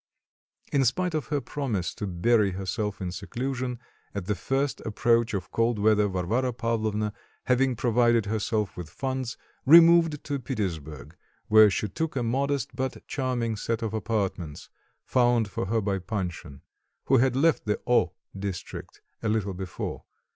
In spite of her promise to bury herself in seclusion, at the first approach of cold weather, Varvara Pavlovna, having provided herself with funds, removed to Petersburg, where she took a modest but charming set of apartments, found for her by Panshin; who had left the O district a little before.